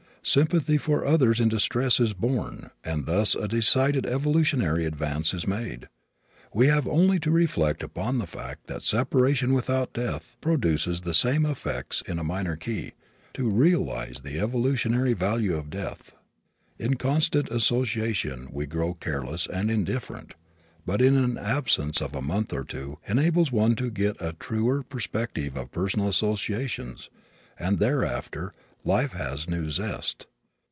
Sympathy for others in distress is born, and thus a decided evolutionary advance is made. We have only to reflect upon the fact that separation without death produces the same effects in a minor key, to realize the evolutionary value of death. In constant association we grow careless and indifferent. But an absence of a month or two enables one to get a truer perspective of personal associations and thereafter life has new zest.